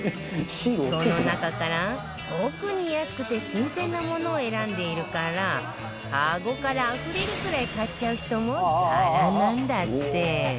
その中から特に安くて新鮮なものを選んでいるから籠からあふれるくらい買っちゃう人もザラなんだって